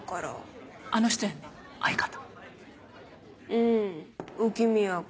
うん浮宮君。